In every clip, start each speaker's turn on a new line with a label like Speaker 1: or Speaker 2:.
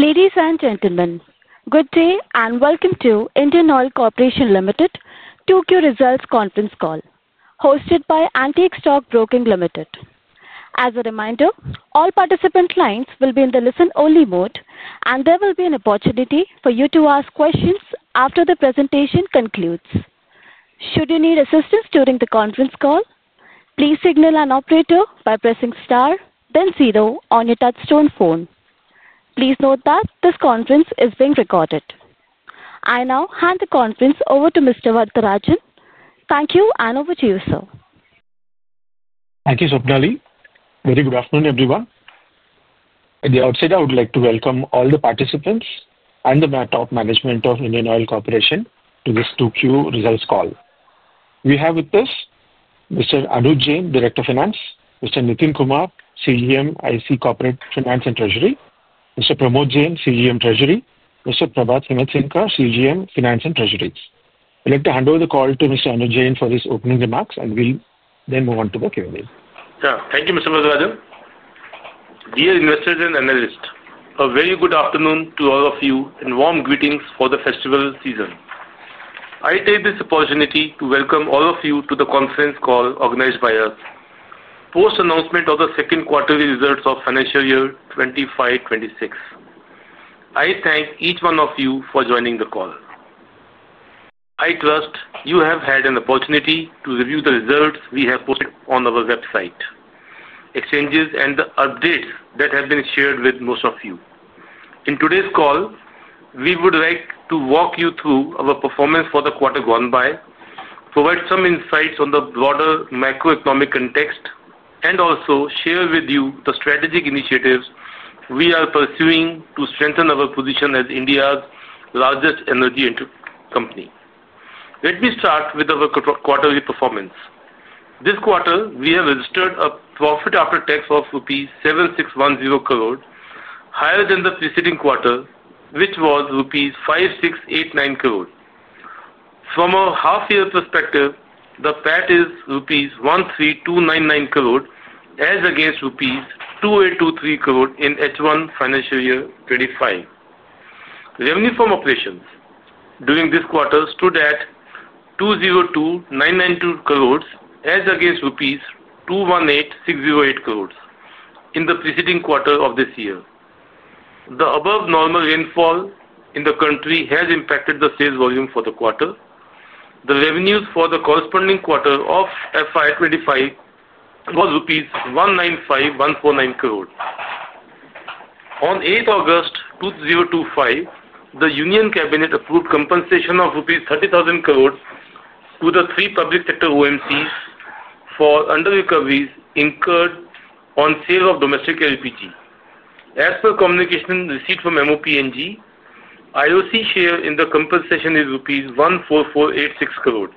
Speaker 1: Ladies and gentlemen, good day and welcome to Indian Oil Corporation Limited's 2Q Results Conference Call hosted by Antique Stock Broking Ltd. As a reminder, all participant lines will be in the listen-only mode, and there will be an opportunity for you to ask questions after the presentation concludes. Should you need assistance during the conference call, please signal an operator by pressing star, then zero on your touchstone phone. Please note that this conference is being recorded. I now hand the conference over to Mr. Varatharajan Sivasankaran. Thank you, and over to you, sir.
Speaker 2: Thank you, Swapnali. Very good afternoon, everyone. At the outset, I would like to welcome all the participants and the top management of Indian Oil Corporation Limited to this 2Q Results Call. We have with us Mr. Anuj Jain, Director of Finance; Mr. Nitin Kumar, Chief General Manager, Corporate Finance and Treasury; Mr. Pramod Jain, Chief General Manager, Treasury; and Mr. Prabhat Himatsingka, Chief General Manager, Finance and Treasury. I'd like to hand over the call to Mr. Anuj Jain for his opening remarks, and we'll then move on to the Q&A.
Speaker 3: Thank you, Mr. Rajan. Dear investors and analysts, a very good afternoon to all of you and warm greetings for the festival season. I take this opportunity to welcome all of you to the conference call organized by us, post-announcement of the second quarterly results of financial year 2025-2026. I thank each one of you for joining the call. I trust you have had an opportunity to review the results we have posted on our website, exchanges, and the updates that have been shared with most of you. In today's call, we would like to walk you through our performance for the quarter gone by, provide some insights on the broader macroeconomic context, and also share with you the strategic initiatives we are pursuing to strengthen our position as India's largest energy company. Let me start with our quarterly performance. This quarter, we have registered a profit after tax of 7,610 crore rupees, higher than the preceding quarter, which was 5,689 crore rupees. From a half-year perspective, the profit after tax is 13,299 crore rupees, as against 2,823 crore rupees in H1 financial year 2025. Revenue from operations during this quarter stood at 202,992 crore, as against rupees 218,608 crore in the preceding quarter of this year. The above-normal rainfall in the country has impacted the sales volume for the quarter. The revenues for the corresponding quarter of financial year 2025 were rupees 195,149 crore. On 8 August 2025, the Union Cabinet approved compensation of rupees 30,000 crore to the three public sector OMCs for under-recoveries incurred on sale of domestic LPG. As per communication received from MOPNG, Indian Oil Corporation Ltd share in the compensation is rupees 14,486 crore.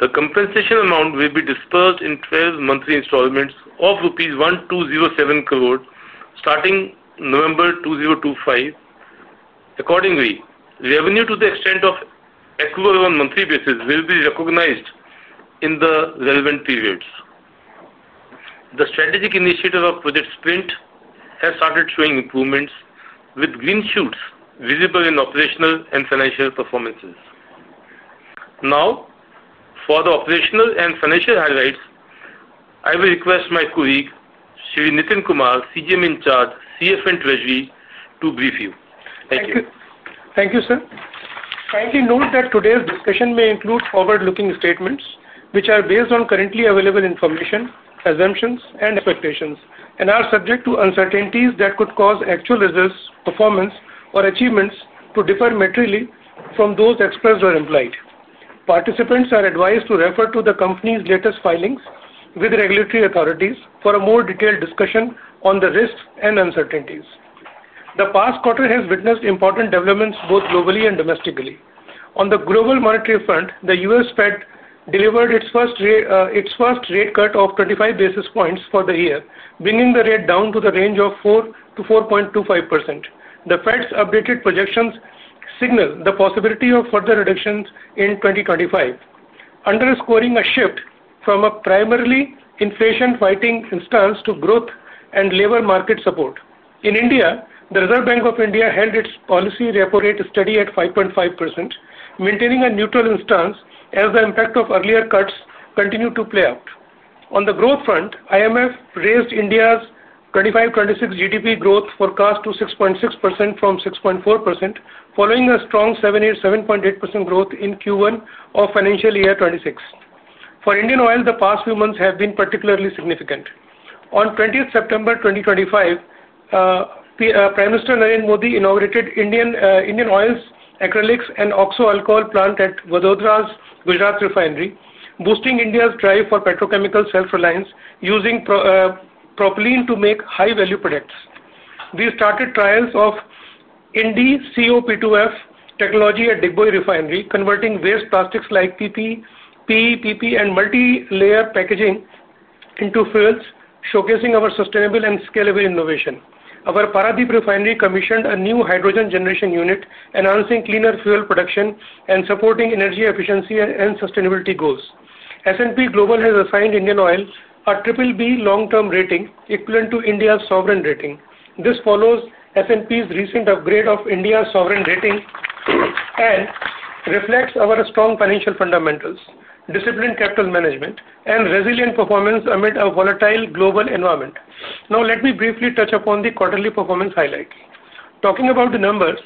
Speaker 3: The compensation amount will be disbursed in 12 monthly installments of rupees 1,207 crore, starting November 2025. Accordingly, revenue to the extent of equivalent on a monthly basis will be recognized in the relevant periods. The strategic initiative of Project Sprint has started showing improvements with green shoots visible in operational and financial performances. Now, for the operational and financial highlights, I will request my colleague, Nitin Kumar, Chief General Manager, Corporate Finance and Treasury, to brief you. Thank you.
Speaker 4: Thank you, sir. Kindly note that today's discussion may include forward-looking statements, which are based on currently available information, assumptions, and expectations, and are subject to uncertainties that could cause actual results, performance, or achievements to differ materially from those expressed or implied. Participants are advised to refer to the company's latest filings with regulatory authorities for a more detailed discussion on the risks and uncertainties. The past quarter has witnessed important developments both globally and domestically. On the global monetary front, the U.S. Federal Reserve delivered its first rate cut of 25 basis points for the year, bringing the rate down to the range of 4% to 4.25%. The Fed's updated projections signal the possibility of further reductions in 2025, underscoring a shift from a primarily inflation-fighting stance to growth and labor market support. In India, the Reserve Bank of India held its policy repo rate steady at 5.5%, maintaining a neutral stance as the impact of earlier cuts continued to play out. On the growth front, IMF raised India's 2025/2026 GDP growth forecast to 6.6% from 6.4%, following a strong 7.8% growth in Q1 of financial year 2026. For Indian Oil Corporation Ltd, the past few months have been particularly significant. On 20 September 2025, Prime Minister Narendra Modi inaugurated Indian Oil Corporation Ltd's acrylics and oxoalcohol plant at Vadodara's Gujarat refinery, boosting India's drive for petrochemical self-reliance using propylene to make high-value products. We started trials of INDICOP2F technology at Digboi refinery, converting waste plastics like PP, PE, PP, and multi-layer packaging into fuels, showcasing our sustainable and scalable innovation. Our Paradip refinery commissioned a new hydrogen generation unit, announcing cleaner fuel production and supporting energy efficiency and sustainability goals. S&P Global Ratings has assigned Indian Oil Corporation Ltd a BBB long-term rating, equivalent to India's sovereign rating. This follows S&P Global Ratings' recent upgrade of India's sovereign rating and reflects our strong financial fundamentals, disciplined capital management, and resilient performance amid a volatile global environment. Now, let me briefly touch upon the quarterly performance highlight. Talking about the numbers,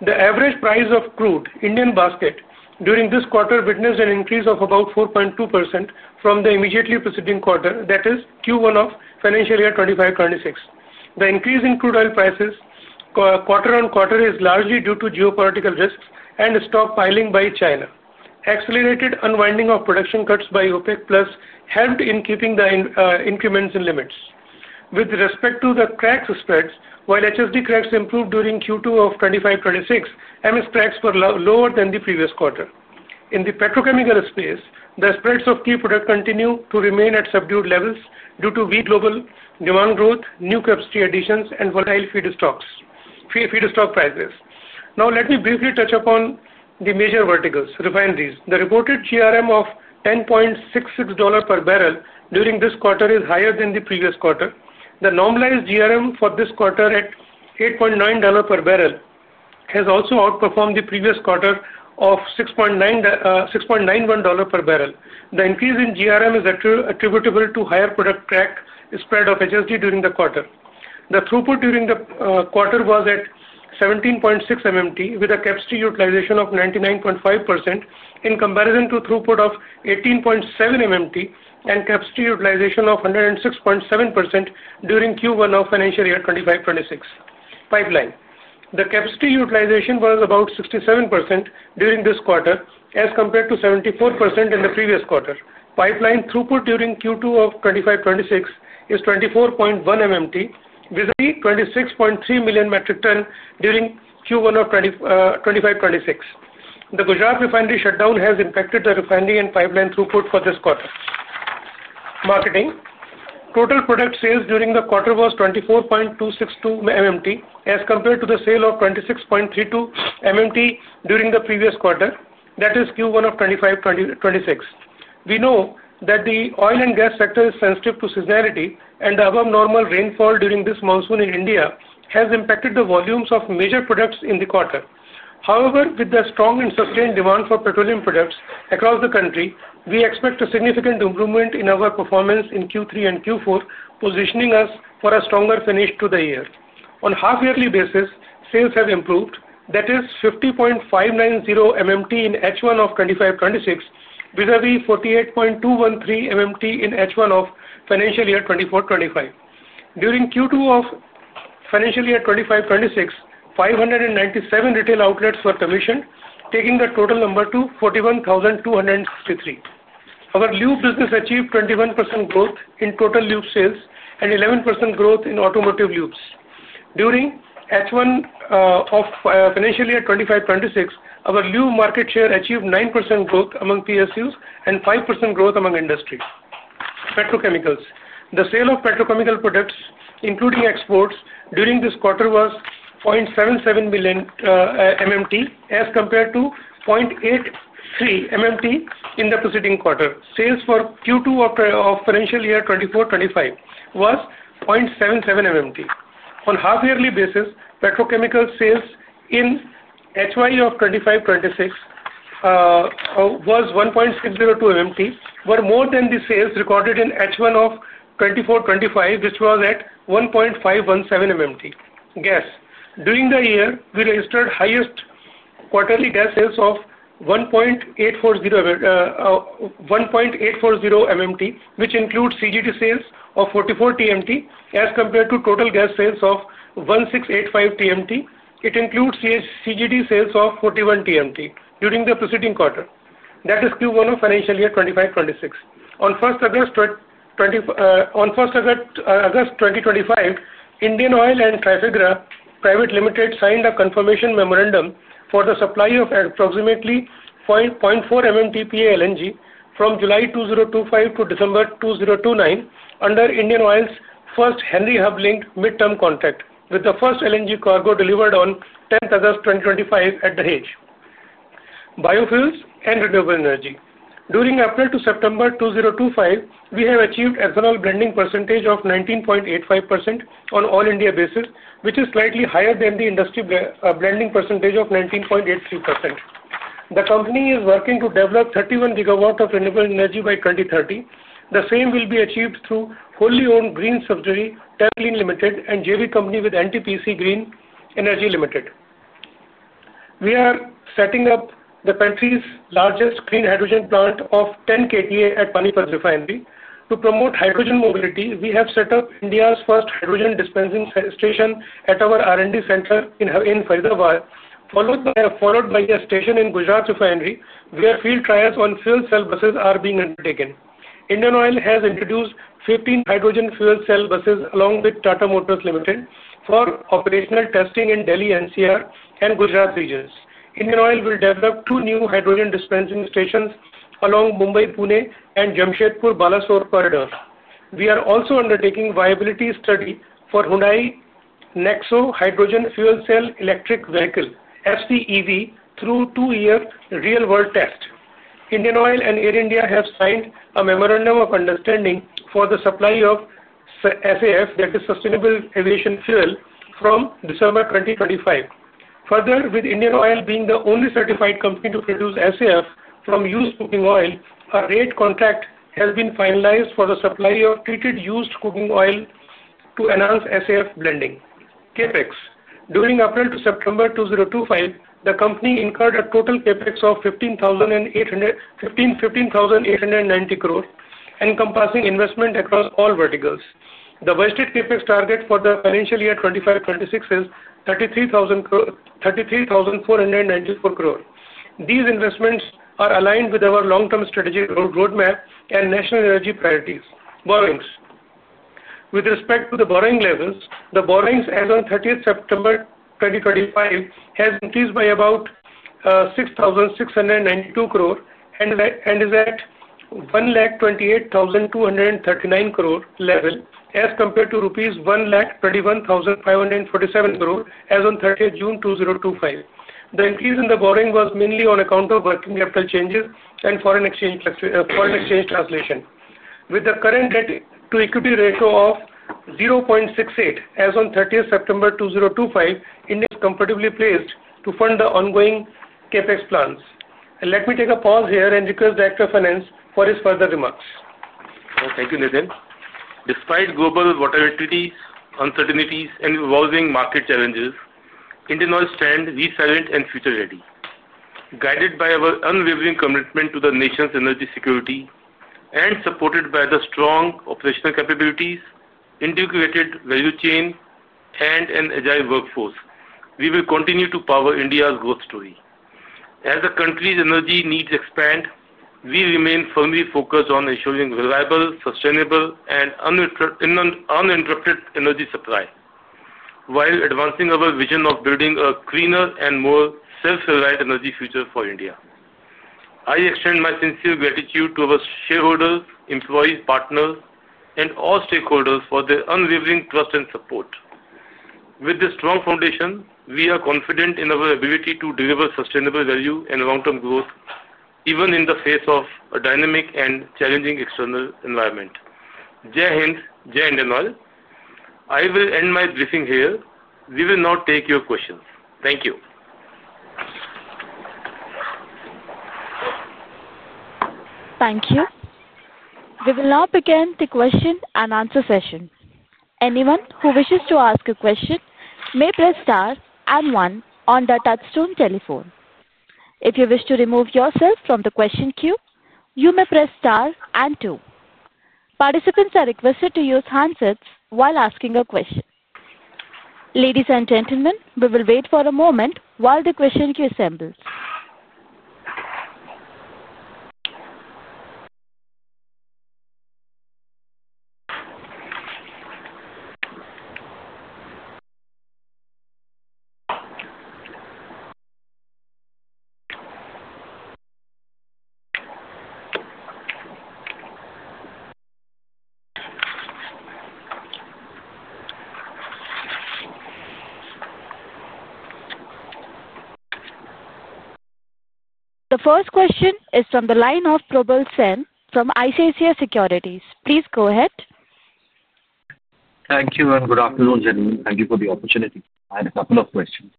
Speaker 4: the average price of crude Indian basket during this quarter witnessed an increase of about 4.2% from the immediately preceding quarter, that is, Q1 of financial year 2025/2026. The increase in crude oil prices quarter on quarter is largely due to geopolitical risks and stockpiling by China. Accelerated unwinding of production cuts by OPEC Plus helped in keeping the increments in limits. With respect to the CRECS spreads, while HSD CRECS improved during Q2 of 2025/2026, MS CRECS were lower than the previous quarter. In the petrochemical space, the spreads of key products continue to remain at subdued levels due to weak global demand growth, new capacity additions, and volatile feedstock prices. Now, let me briefly touch upon the major verticals. Refineries, the reported GRM of $10.66 per barrel during this quarter is higher than the previous quarter. The normalized GRM for this quarter at $8.90 per barrel has also outperformed the previous quarter of $6.91 per barrel. The increase in GRM is attributable to higher product track spread of HSD during the quarter. The throughput during the quarter was at 17.6 MMT with a capacity utilization of 99.5% in comparison to throughput of 18.7 MMT and capacity utilization of 106.7% during Q1 of financial year 2025/2026. Pipeline, the capacity utilization was about 67% during this quarter as compared to 74% in the previous quarter. Pipeline throughput during Q2 of 2025/2026 is 24.1 MMT, vis-à-vis 26.3 million metric tonnes during Q1 of 2025/2026. The Gujarat refinery shutdown has impacted the refinery and pipeline throughput for this quarter. Marketing, total product sales during the quarter were 24.262 MMT as compared to the sale of 26.32 MMT during the previous quarter, that is, Q1 of 2025/2026. The oil and gas sector is sensitive to seasonality, and the above-normal rainfall during this monsoon in India has impacted the volumes of major products in the quarter. However, with the strong and sustained demand for petroleum products across the country, we expect a significant improvement in our performance in Q3 and Q4, positioning us for a stronger finish to the year. On a half-yearly basis, sales have improved, that is, 50.590 MMT in H1 of 2025/2026, vis-à-vis 48.213 MMT in H1 of financial year 2024/2025. During Q2 of financial year 2025/2026, 597 retail outlets were commissioned, taking the total number to 41,263. Our lube business achieved 21% growth in total lube sales and 11% growth in automotive lubes. During H1 of financial year 2025/2026, our lube market share achieved 9% growth among PSUs and 5% growth among industry. Petrochemicals, the sale of petrochemical products, including exports, during this quarter was 0.77 MMT as compared to 0.83 MMT in the preceding quarter. Sales for Q2 of financial year 2024/2025 were 0.77 MMT. On a half-yearly basis, petrochemical sales in H1 of 2025/2026 were 1.602 MMT, more than the sales recorded in H1 of 2024/2025, which was at 1.517 MMT. Gas, during the year, we registered highest quarterly gas sales of 1.840 MMT, which includes CNG sales of 44 TMT as compared to total gas sales of 1,685 TMT. It includes CNG sales of 41 TMT during the preceding quarter, that is, Q1 of financial year 2025/2026. On 1st August 2025, Indian Oil Corporation Ltd and Trafigura Private Limited signed a confirmation memorandum for the supply of approximately 0.4 MMT per annum LNG from July 2025 to December 2029 under Indian Oil's first Henry Hub Link mid-term contract, with the first LNG cargo delivered on 10th August 2025 at the Hague. Biofuels and renewable energy, during April to September 2025, we have achieved ethanol blending percentage of 19.85% on an all-India basis, which is slightly higher than the industry blending percentage of 19.83%. The company is working to develop 31 gigawatts of renewable energy by 2030. The same will be achieved through wholly owned green subsidiary Tera Queen Ltd and JV company with NTPC Green Energy Ltd. We are setting up the country's largest clean hydrogen plant of 10 KTA at Panipat refinery. To promote hydrogen mobility, we have set up India's first hydrogen dispensing station at our R&D center in Faridabad, followed by a station in Gujarat refinery, where field trials on fuel cell buses are being undertaken. Indian Oil Corporation Ltd has introduced 15 hydrogen fuel cell buses along with Tata Motors Ltd for operational testing in Delhi and NCR and Gujarat regions. Indian Oil will develop two new hydrogen dispensing stations along Mumbai-Pune and Jamshedpur-Balasore corridors. We are also undertaking a viability study for Hyundai Nexo hydrogen fuel cell electric vehicle, FCEV, through a two-year real-world test. Indian Oil and Air India have signed a memorandum of understanding for the supply of SAF, that is, sustainable aviation fuel, from December 2025. Further, with Indian Oil being the only certified company to produce SAF from used cooking oil, a rate contract has been finalized for the supply of treated used cooking oil to enhance SAF blending. Capex, during April to September 2025, the company incurred a total capex of 15,890 crore, encompassing investment across all verticals. The vested capex target for the financial year 2025/2026 is 33,494 crore. These investments are aligned with our long-term strategic roadmap and national energy priorities. Borrowings, with respect to the borrowing levels, the borrowings as on 30 September 2025 have increased by about 6,692 crore and is at 1,28,239 crore level as compared to rupees 1,21,547 crore as on 30 June 2025. The increase in the borrowing was mainly on account of working capital changes and foreign exchange translation. With the current debt-to-equity ratio of 0.68 as on 30 September 2025, Indian Oil Corporation Ltd is comfortably placed to fund the ongoing capex plans. Let me take a pause here and request Dr. Finance for his further remarks.
Speaker 3: Thank you, Nitin. Despite global water treaty uncertainties and arising market challenges, Indian Oil stands resilient and future-ready. Guided by our unwavering commitment to the nation's energy security and supported by strong operational capabilities, integrated value chain, and an agile workforce, we will continue to power India's growth story. As the country's energy needs expand, we remain firmly focused on ensuring reliable, sustainable, and uninterrupted energy supply while advancing our vision of building a cleaner and more self-reliant energy future for India. I extend my sincere gratitude to our shareholders, employees, partners, and all stakeholders for their unwavering trust and support. With this strong foundation, we are confident in our ability to deliver sustainable value and long-term growth, even in the face of a dynamic and challenging external environment. Jai Hind, Jai Indian Oil. I will end my briefing here. We will now take your questions. Thank you.
Speaker 1: Thank you. We will now begin the question and answer session. Anyone who wishes to ask a question may press star and 1 on their touchstone telephone. If you wish to remove yourself from the question queue, you may press star and 2. Participants are requested to use handsets while asking a question. Ladies and gentlemen, we will wait for a moment while the question queue assembles. The first question is from the line of Probal Sen from ICICI Securities. Please go ahead. Thank you, and good afternoon, gentlemen. Thank you for the opportunity. I have a couple of questions.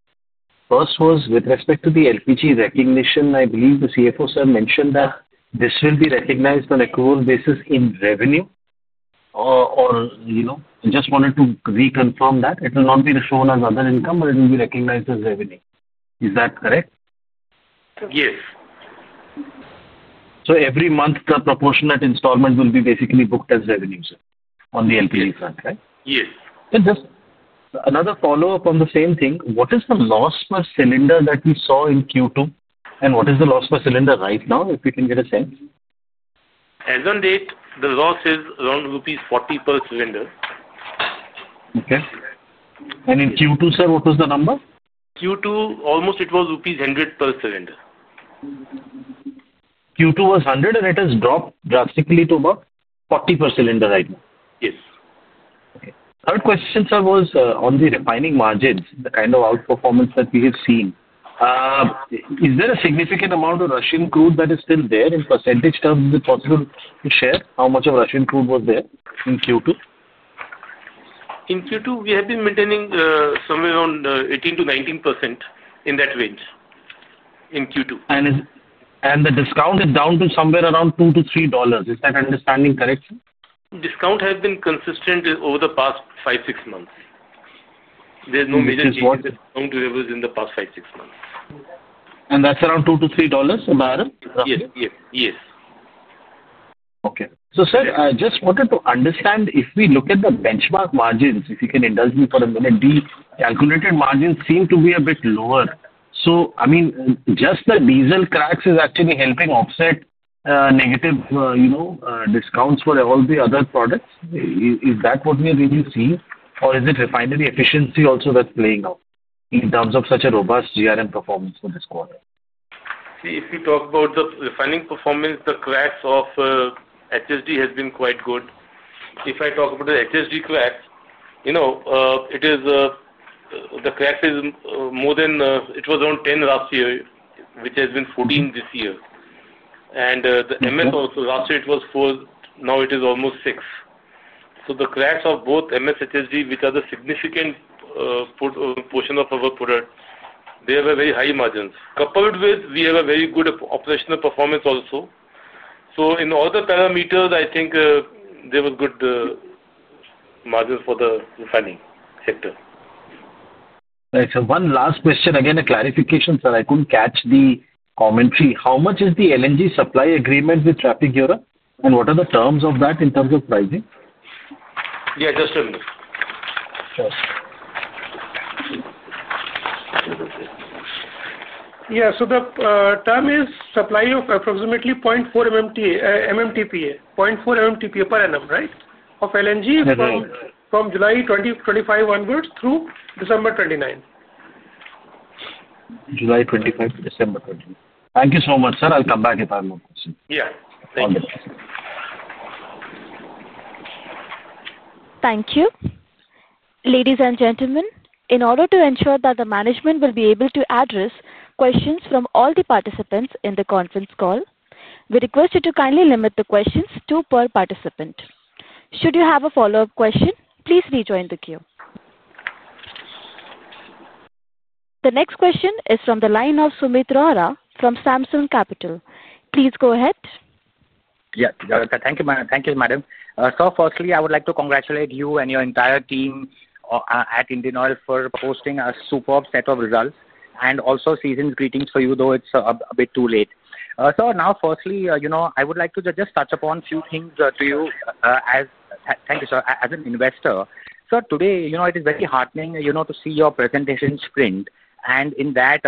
Speaker 1: First was with respect to the LPG recognition. I believe the CFO, sir, mentioned that this will be recognized on an accrual basis in revenue. I just wanted to reconfirm that it will not be shown as other income, but it will be recognized as revenue. Is that correct?
Speaker 3: Yes. Every month, the proportionate installment will be basically booked as revenue, sir, on the LPG front, right? Yes. Just another follow-up on the same thing. What is the loss per cylinder that we saw in Q2, and what is the loss per cylinder right now, if you can get a sense? As of date, the loss is around rupees 40 per cylinder. Okay. In Q2, sir, what was the number? Q2, almost it was rupees 100 per cylinder. Q2 was 100, and it has dropped drastically to about 40 per cylinder right now. Yes. Okay. Third question, sir, was on the refining margins, the kind of outperformance that we have seen. Is there a significant amount of Russian crude that is still there in percentage terms with possible share? How much of Russian crude was there in Q2? In Q2, we have been maintaining somewhere around 18% to 19% in that range in Q2. The discount is down to somewhere around $2 to $3. Is that understanding correct? Discount has been consistent over the past five, six months. There's no major change in the discount to whatever was in the past five, six months. That's around $2 to $3 a barrel? Yes, yes, yes. Okay. Sir, I just wanted to understand if we look at the benchmark margins, if you can indulge me for a minute. The calculated margins seem to be a bit lower. I mean, just the diesel CRECS is actually helping offset negative discounts for all the other products. Is that what we are really seeing, or is it refinery efficiency also that's playing out in terms of such a robust GRM performance for this quarter? See, if we talk about the refining performance, the CRECS of HSD has been quite good. If I talk about the HSD CRECS, you know, the CRECS is more than it was around 10 last year, which has been 14 this year. The MS also, last year it was 4. Now it is almost 6. The CRECS of both MS, HSD, which are the significant portion of our product, they have very high margins. Coupled with, we have a very good operational performance also. In all the parameters, I think they were good margins for the refining sector. Thanks. One last question, again, a clarification, sir. I couldn't catch the commentary. How much is the LNG supply agreement with Trafigura, and what are the terms of that in terms of pricing? Yeah, just a minute. Sure.
Speaker 4: Yeah. The term is supply of approximately 0.4 MMT, 0.4 MMTPA per annum, right, of LNG from July 2025 onwards through December 2029. July 25 to December 29. Thank you so much, sir. I'll come back if I have more questions.
Speaker 3: Yeah. Thank you.
Speaker 1: Thank you. Ladies and gentlemen, in order to ensure that the management will be able to address questions from all the participants in the conference call, we request you to kindly limit the questions to per participant. Should you have a follow-up question, please rejoin the queue. The next question is from the line of Sumit Rara from Samsung Capital. Please go ahead. Yeah. Thank you, Madam. Sir, firstly, I would like to congratulate you and your entire team at Indian Oil Corporation Ltd for posting a superb set of results and also season's greetings for you, though it's a bit too late. Sir, now, firstly, I would like to just touch upon a few things to you as thank you, sir, as an investor. Sir, today, it is very heartening to see your presentation Project Sprint. In that,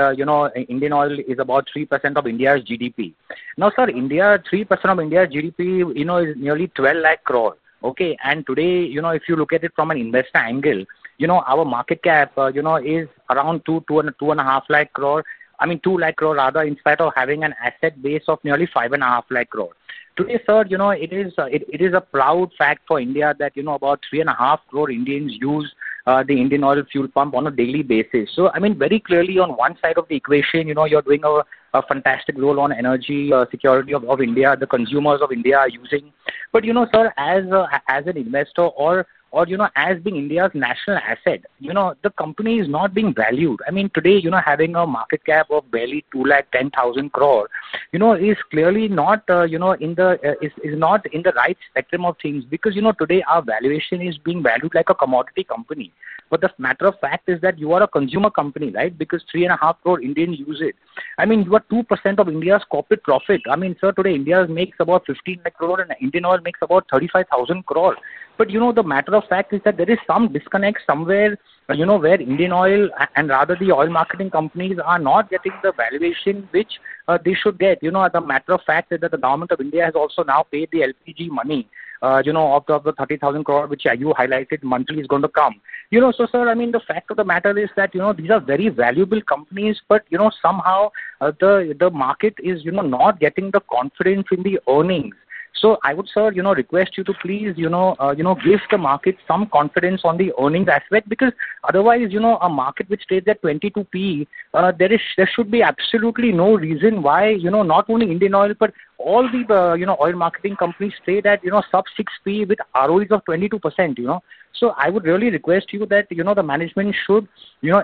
Speaker 1: Indian Oil Corporation Ltd is about 3% of India's GDP. Now, sir, 3% of India's GDP is nearly 12 trillion. Okay. Today, if you look at it from an investor angle, our market cap is around 2.5 trillion. I mean, 2 trillion, rather, in spite of having an asset base of nearly 5.5 trillion. Today, sir, it is a proud fact for India that about 35 million Indians use the Indian Oil Corporation Ltd fuel pump on a daily basis. Very clearly, on one side of the equation, you're doing a fantastic role on energy. Security of India, the consumers of India are using. As an investor or as being India's national asset, the company is not being valued. I mean, today, having a market cap of barely 2.1 trillion is clearly not in the right spectrum of things because today our valuation is being valued like a commodity company. The matter of fact is that you are a consumer company, right, because 35 million Indians use it. You are 2% of India's corporate profit. Sir, today India makes about 15 trillion, and Indian Oil Corporation Ltd makes about 35 billion. The matter of fact is that there is some disconnect somewhere where Indian Oil Corporation Ltd and rather the oil marketing companies are not getting the valuation which they should get. The matter of fact is that the Government of India has also now paid the LPG money, of the 300 billion, which you highlighted monthly is going to come. Sir, the fact of the matter is that these are very valuable companies, but somehow the market is not getting the confidence in the earnings. I would, sir, request you to please give the market some confidence on the earnings aspect because otherwise, a market which trades at 22P, there should be absolutely no reason why not only Indian Oil, but all the oil marketing companies trade at sub-6P with ROEs of 22%. I would really request you that the management should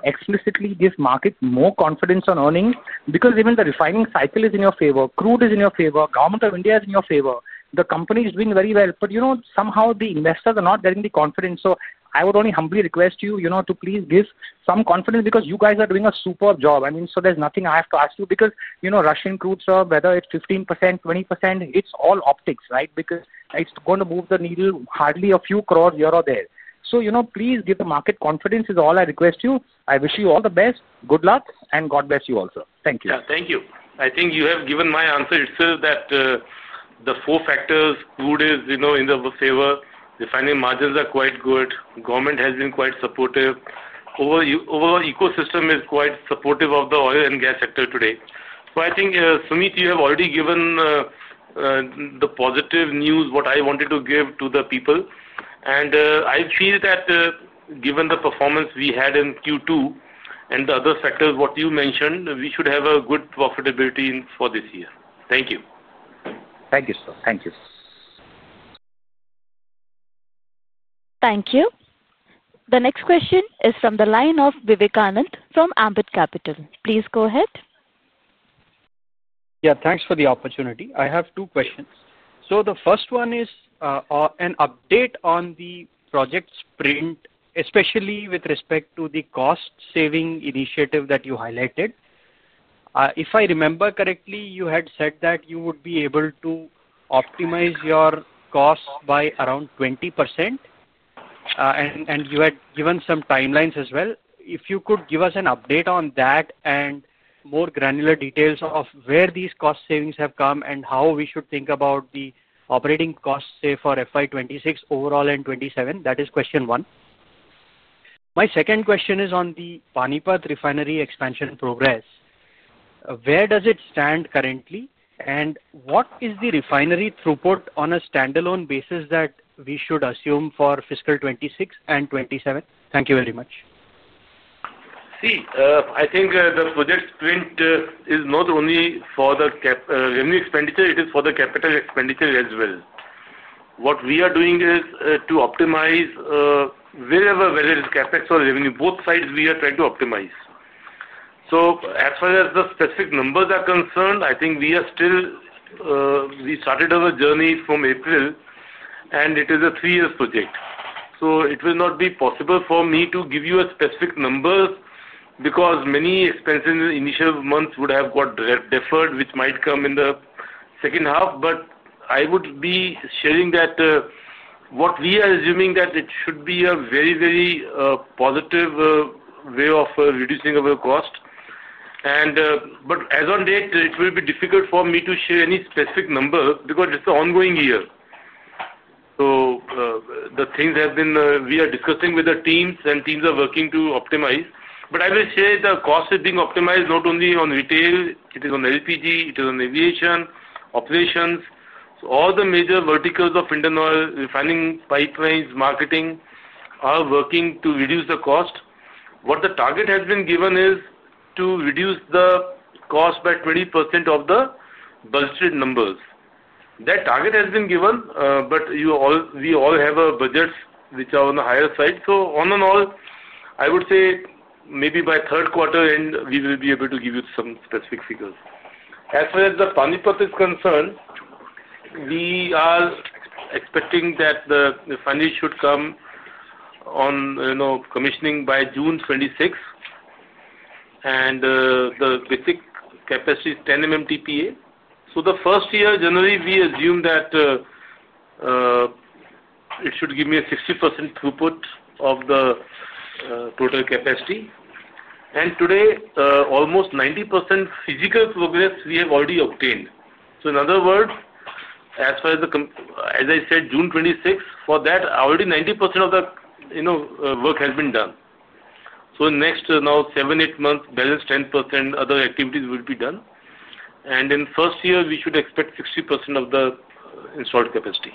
Speaker 1: explicitly give the market more confidence on earnings because even the refining cycle is in your favor, crude is in your favor, Government of India is in your favor, the company is doing very well. Somehow the investors are not getting the confidence. I would only humbly request you to please give some confidence because you guys are doing a superb job. There's nothing I have to ask you because Russian crude, sir, whether it's 15%, 20%, it's all optics, right, because it's going to move the needle hardly a few crores here or there. Please give the market confidence is all I request you. I wish you all the best. Good luck, and God bless you also. Thank you.
Speaker 3: Thank you. I think you have given my answer. It shows that the four factors, crude is, you know, in the favor, refining margins are quite good, government has been quite supportive, overall ecosystem is quite supportive of the oil and gas sector today. I think, Sumit, you have already given the positive news, what I wanted to give to the people. I feel that, given the performance we had in Q2 and the other sectors, what you mentioned, we should have a good profitability for this year. Thank you. Thank you, sir. Thank you.
Speaker 1: Thank you. The next question is from the line of Vivekanand from Ambit Capital. Please go ahead. Yeah. Thanks for the opportunity. I have two questions. The first one is, an update on Project Sprint, especially with respect to the cost-saving initiative that you highlighted. If I remember correctly, you had said that you would be able to optimize your costs by around 20%, and you had given some timelines as well. If you could give us an update on that and more granular details of where these cost savings have come and how we should think about the operating costs, say, for FY 2026 overall and 2027, that is question one. My second question is on the Panipat refinery expansion progress. Where does it stand currently, and what is the refinery throughput on a standalone basis that we should assume for fiscal 2026 and 2027? Thank you very much.
Speaker 3: See, I think Project Sprint is not only for the revenue expenditure, it is for the capital expenditure as well. What we are doing is to optimize wherever there is capex or revenue. Both sides we are trying to optimize. As far as the specific numbers are concerned, I think we are still, we started our journey from April, and it is a three-year project. It will not be possible for me to give you specific numbers because many expenses in the initial months would have got deferred, which might come in the second half. I would be sharing that, what we are assuming is that it should be a very, very positive way of reducing our cost. As on date, it will be difficult for me to share any specific number because it's an ongoing year. The things have been, we are discussing with the teams, and teams are working to optimize. I will say the cost is being optimized not only on retail, it is on LPG, it is on aviation, operations. All the major verticals of Indian Oil, refining, pipelines, marketing, are working to reduce the cost. The target has been given to reduce the cost by 20% of the budgeted numbers. That target has been given, but you all, we all have our budgets which are on the higher side. All in all, I would say maybe by third quarter end, we will be able to give you some specific figures. As far as the Panipat is concerned, we are expecting that the refinery should come on commissioning by June 2026. The basic capacity is 10 million metric tons per annum. The first year, generally, we assume that it should give me a 60% throughput of the total capacity. Today, almost 90% physical progress we have already obtained. In other words, as I said, June 2026, for that, already 90% of the work has been done. In the next seven, eight months, balance 10%, other activities will be done. In the first year, we should expect 60% of the installed capacity.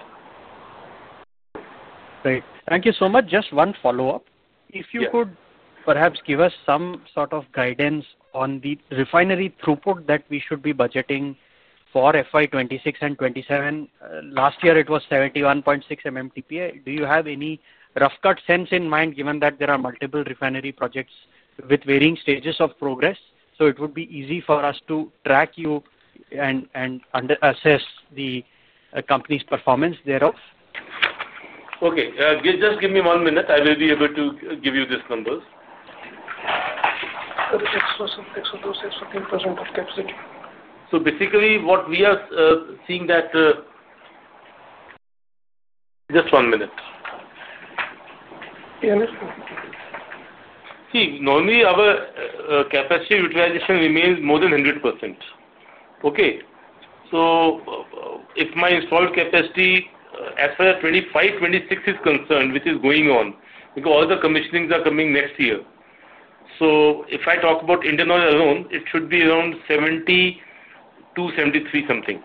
Speaker 3: Great. Thank you so much. Just one follow-up. If you could perhaps give us some sort of guidance on the refinery throughput that we should be budgeting for FY 2026 and 2027. Last year, it was 71.6 MMTPA. Do you have any rough cut sense in mind given that there are multiple refinery projects with varying stages of progress? It would be easy for us to track you and under-assess the company's performance thereof. Okay, just give me one minute. I will be able to give you these numbers.
Speaker 4: The extra subjects of those extra 10% of capacity.
Speaker 3: Basically, what we are seeing, just one minute.
Speaker 4: Yeah, let's go.
Speaker 3: See, normally, our capacity utilization remains more than 100%. If my installed capacity as far as 2025/2026 is concerned, which is going on because all the commissionings are coming next year, if I talk about Indian Oil alone, it should be around 72, 73 something.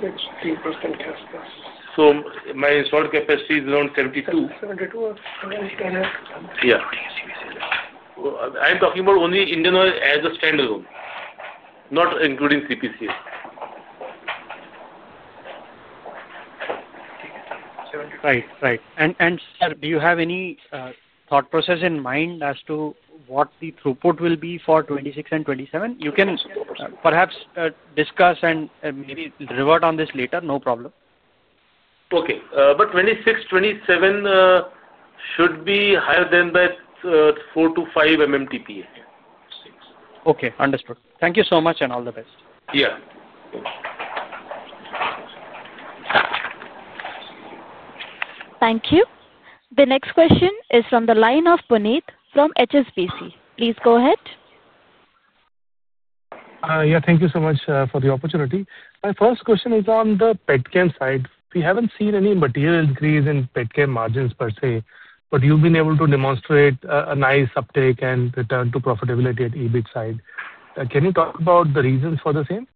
Speaker 4: 60% caps there.
Speaker 3: My installed capacity is around 72.
Speaker 4: 72 or 72. Yeah, I'm talking about only Indian Oil as a standalone, not including CPCS.
Speaker 3: Right. Right. Sir, do you have any thought process in mind as to what the throughput will be for 2026 and 2027? You can perhaps discuss and maybe revert on this later. No problem. Okay. 2026, 2027 should be higher than that 4 to 5 MMTPA. Okay. Understood. Thank you so much and all the best. Yeah.
Speaker 1: Thank you. The next question is from the line of Nitin Kumar from HSBC. Please go ahead. Yeah. Thank you so much for the opportunity. My first question is on the petrochemical side. We haven't seen any material increase in petrochemical margins per se, but you've been able to demonstrate a nice uptake and return to profitability at the EBIT side. Can you talk about the reasons for the same?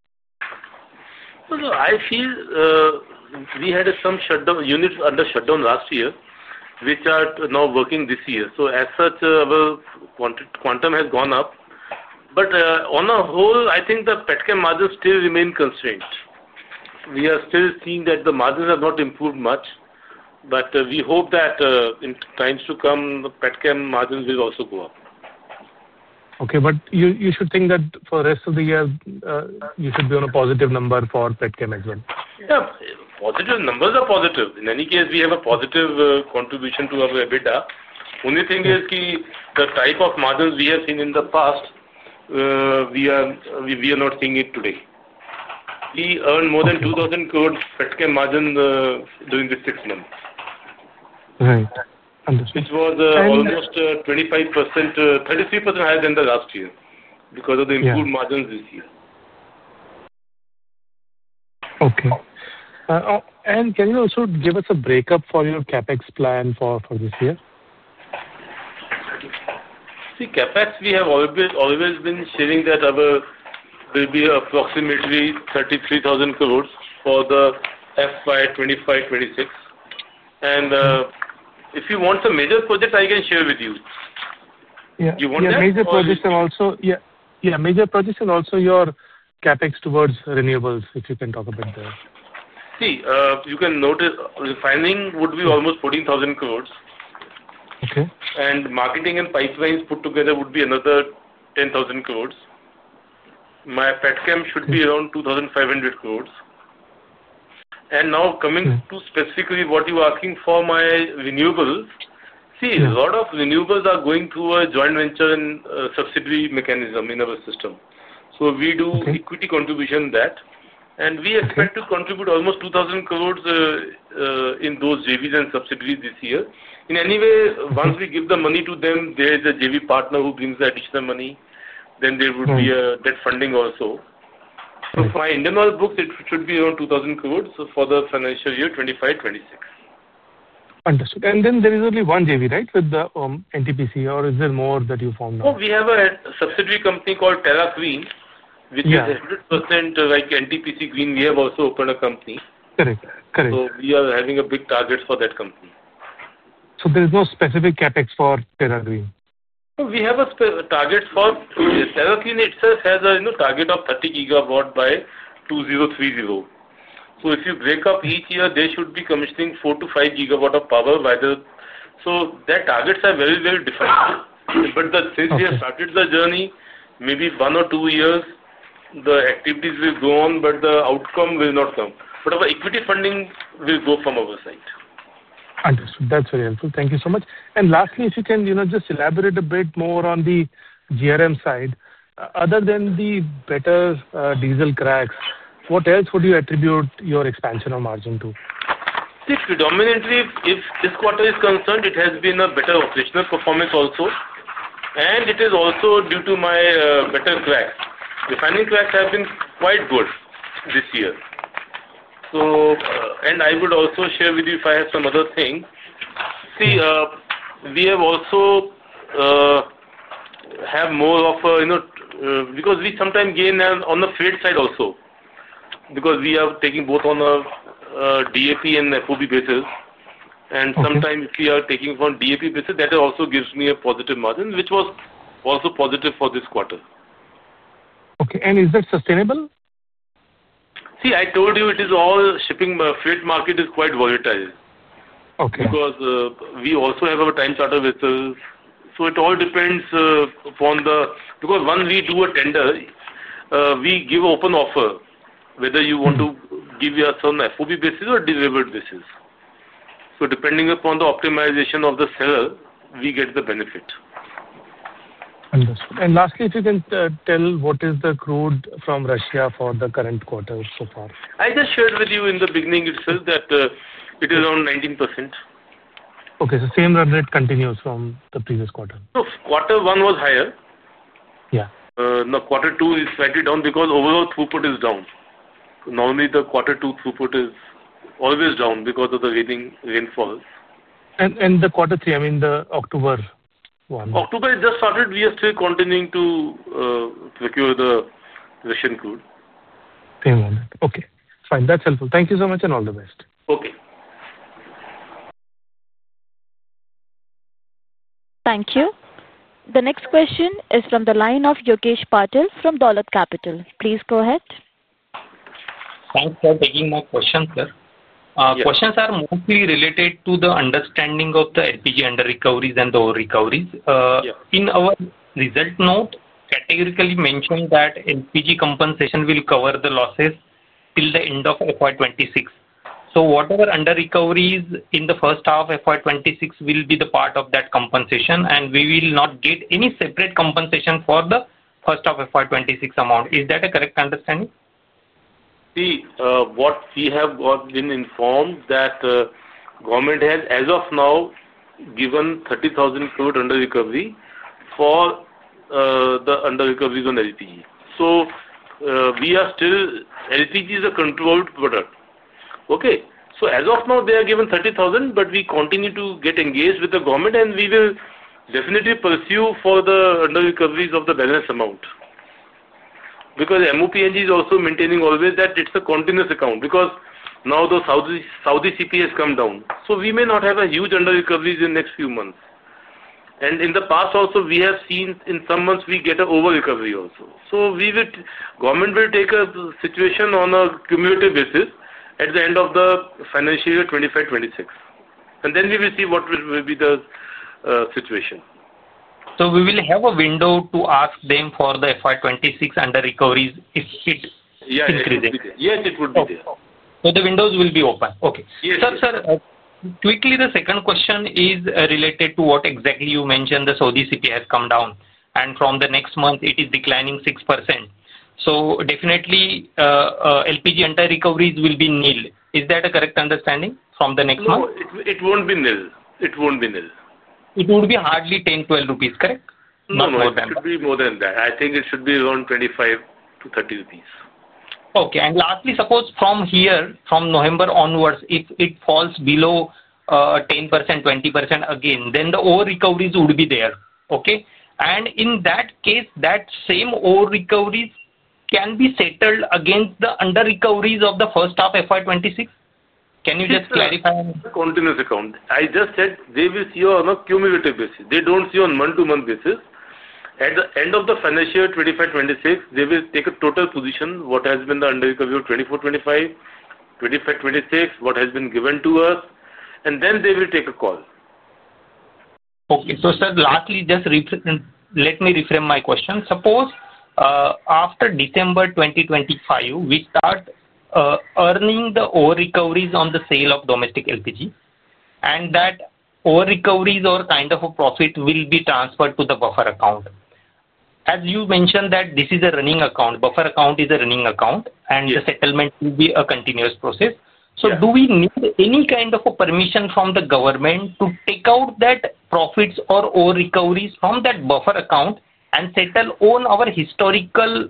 Speaker 3: Sir, I feel we had some units under shutdown last year, which are now working this year. As such, our quantum has gone up. On the whole, I think the petrochemical margins still remain constrained. We are still seeing that the margins have not improved much, but we hope that in times to come, the petrochemical margins will also go up. Okay. You should think that for the rest of the year, you should be on a positive number for petrochemicals as well. Yeah. Positive numbers are positive. In any case, we have a positive contribution to our EBITDA. The only thing is the type of margins we have seen in the past, we are not seeing it today. We earned more than 2,000 crore petrochemical margin during the six months. Right. Understood. Which was almost 25%, 33% higher than the last year because of the improved margins this year. Okay. Can you also give us a breakup for your CapEx plan for this year? See, CapEx, we have always been sharing that ours will be approximately 33,000 crore for FY 2025/2026. If you want the major projects, I can share with you. Yeah. You want the major projects? Yeah. Major projects and also your CapEx towards renewables, if you can talk about that. See, you can notice refining would be almost 14,000 crore. Okay. Marketing and pipelines put together would be another 10,000 crore. My PetCam should be around 2,500 crore. Now, coming to specifically what you were asking for my renewables, a lot of renewables are going through a joint venture and subsidiary mechanism in our system. We do equity contribution in that, and we expect to contribute almost 2,000 crore in those JVs and subsidiaries this year. In any way, once we give the money to them, there is a JV partner who brings the additional money. There would be debt funding also. For my Indian Oil books, it should be around 2,000 crore for the financial year 2025/2026. Understood. There is only one JV, right, with NTPC, or is there more that you formed? Oh, we have a subsidiary company called Tera Queen Ltd, which is 100% like NTPC Green Energy Ltd. We have also opened a company. Correct. Correct. We are having a big target for that company. There is no specific CapEx for Tera Queen? Terra Queen itself has a target of 30 gigawatt by 2030. If you break up each year, they should be commissioning 4 to 5 gigawatt of power. Their targets are very, very different. Since we have started the journey, maybe one or two years, the activities will go on, but the outcome will not come. Our equity funding will go from our side. Understood. That's very helpful. Thank you so much. Lastly, if you can just elaborate a bit more on the GRM side, other than the better diesel CRECS, what else would you attribute your expansion of margin to? See, predominantly, if this quarter is concerned, it has been a better operational performance also. It is also due to my better gross refining margins. Refining margins have been quite good this year. I would also share with you if I have some other things. We have also had more of a, you know, because we sometimes gain on the freight side also because we are taking both on a DAP and FOB basis. Sometimes if we are taking it on DAP basis, that also gives me a positive margin, which was also positive for this quarter. Is that sustainable? See, I told you, it is all shipping freight market is quite volatile. Okay. Because we also have our time charter vessels, it all depends upon the situation. When we do a tender, we give an open offer whether you want to give us on an FOB basis or a delivered basis. Depending upon the optimization of the seller, we get the benefit. Understood. Lastly, if you can tell what is the crude from Russia for the current quarter so far? I just shared with you in the beginning itself that it is around 19%. Okay. The same run rate continues from the previous quarter. Quarter one was higher. Yeah. Now quarter two is slightly down because overall throughput is down. Normally, the quarter two throughput is always down because of the rainfalls. The quarter three, I mean the October one. October it just started. We are still continuing to procure the Russian crude. Payment. Okay. Fine. That's helpful. Thank you so much and all the best. Okay.
Speaker 1: Thank you. The next question is from the line of Yogesh Patil from Dollard Capital. Please go ahead. Thanks, sir, taking my question, sir. Questions are mostly related to the understanding of the LPG under-recoveries and the over-recoveries. In our result note, categorically mentioned that LPG compensation will cover the losses till the end of FY 2026. Whatever under-recoveries in the first half FY 2026 will be the part of that compensation, and we will not get any separate compensation for the first half FY 2026 amount. Is that a correct understanding?
Speaker 3: See, what we have been informed is that the government has, as of now, given 30,000 crore under-recovery for the under-recoveries on LPG. We are still, LPG is a controlled product. Okay. As of now, they have given 30,000 crore, but we continue to get engaged with the government, and we will definitely pursue the under-recoveries of the balance amount. MOPNG is also maintaining always that it's a continuous account because now the Saudi CP has come down. We may not have a huge under-recovery in the next few months. In the past also, we have seen in some months we get an over-recovery also. The government will take a situation on a cumulative basis at the end of the financial year 2025/2026, and then we will see what will be the situation. We will have a window to ask them for the FY 2026 under-recoveries if it is increasing. Yes, it would be there. The windows will be open. Okay. Yes, sir. Sir, quickly, the second question is related to what exactly you mentioned. The Saudi CP has come down, and from the next month, it is declining 6%. Definitely, LPG under-recoveries will be nil. Is that a correct understanding from the next month? No, it won't be nil. It won't be nil. It would be hardly 10.00 rupees, 12.00, correct? No, no. It should be more than that. I think it should be around 25 to 30 rupees. Okay. Lastly, suppose from here, from November onwards, if it falls below 10%, 20% again, then the over-recoveries would be there. In that case, that same over-recoveries can be settled against the under-recoveries of the first half FY 2026. Can you just clarify? Continuous account. I just said they will see on a cumulative basis. They don't see on a month-to-month basis. At the end of the financial year 2025/2026, they will take a total position, what has been the under-recovery of 2024/2025, 2025/2026, what has been given to us. They will take a call. Okay. Sir, lastly, just let me reframe my question. Suppose, after December 2025, we start earning the over-recoveries on the sale of domestic LPG, and that over-recoveries or kind of a profit will be transferred to the buffer account. As you mentioned, this is a running account, buffer account is a running account, and the settlement will be a continuous process. Do we need any kind of permission from the government to take out that profits or over-recoveries from that buffer account and settle on our historical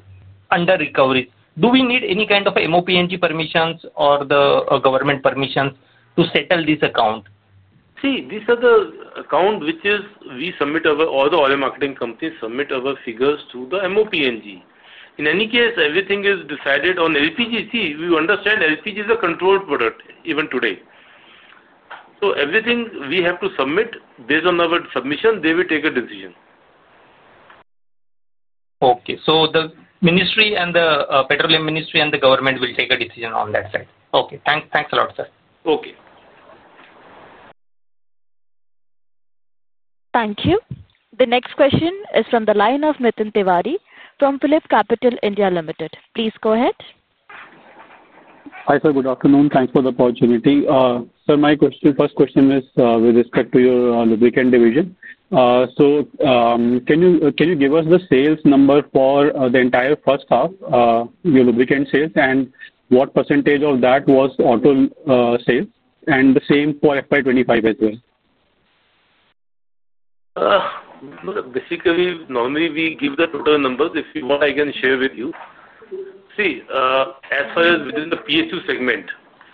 Speaker 3: under-recoveries? Do we need any kind of MOPNG permissions or the government permissions to settle this account? This is the account which we submit, all the oil marketing companies submit our figures to the MOPNG. In any case, everything is decided on LPG. We understand LPG is a controlled product even today, so everything we have to submit. Based on our submission, they will take a decision. Okay. The ministry and the petroleum ministry and the government will take a decision on that side. Okay. Thanks. Thanks a lot, sir. Okay.
Speaker 1: Thank you. The next question is from the line of Nitin Tewari from Philip Capital India Limited. Please go ahead. Hi, sir. Good afternoon. Thanks for the opportunity. Sir, my question, first question is, with respect to your lubricant division. Can you give us the sales number for the entire first half, your lubricant sales, and what % of that was auto sales, and the same for FY 2025 as well?
Speaker 3: Look, basically, normally, we give the total numbers. If you want, I can share with you. See, as far as within the PHU segment,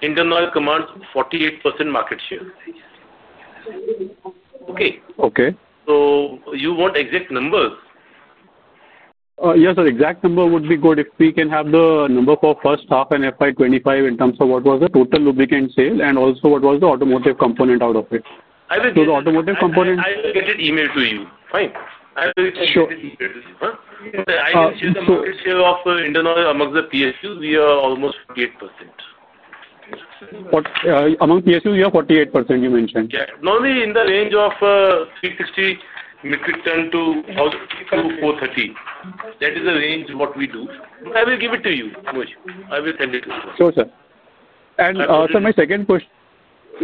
Speaker 3: Indian Oil commands 48% market share. Okay? Okay. You want exact numbers? Yes, sir. Exact number would be good if we can have the number for first half and FY 2025 in terms of what was the total lubricant sale and also what was the automotive component out of it. I will get it. The automotive component. I will get it emailed to you. Fine. I will get it emailed to you. Sure. I can share the market share of Indian Oil amongst the PHUs. We are almost 48%. Among PHUs, you have 48% you mentioned. Yeah, normally in the range of 360 metric ton to 1,000, to 430. That is the range we do. I will give it to you, Anuj. I will send it to you. Sure, sir. My second question,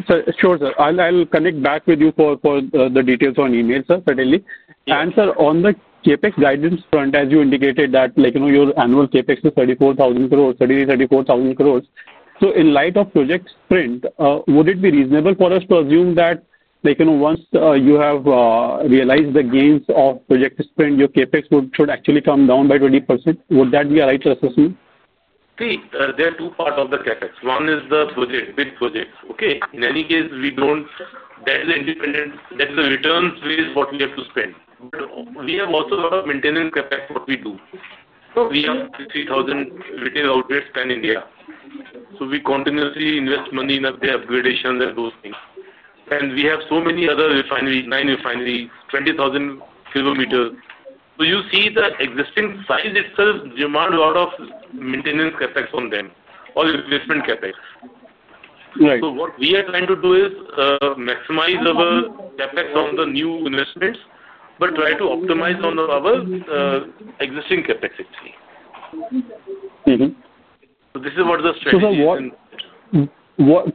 Speaker 3: sir, I'll connect back with you for the details on email, sir, certainly. On the CapEx guidance front, as you indicated that, like, you know, your annual CapEx is 34,000 crore, 33,000 to 34,000 crore. In light of Project Sprint, would it be reasonable for us to assume that, like, you know, once you have realized the gains of Project Sprint, your CapEx should actually come down by 20%? Would that be a right assessment? See, there are two parts of the CapEx. One is the budget, big budget. In any case, we don't. That is independent. That is a returns-based what we have to spend. We have also a lot of maintenance CapEx what we do. We have 30,000 retail outlets in India. We continuously invest money in upgradations and those things. We have so many other refineries, nine refineries, 20,000 kilometers. You see the existing size itself demands a lot of maintenance CapEx on them or investment CapEx. Right. What we are trying to do is maximize our capex on the new investments but try to optimize on our existing capex history. This is what the strategy is.